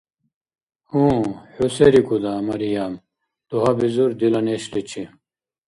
— Гьу, хӀу се рикӀуда, Мариям? — дугьабизур дила нешличи.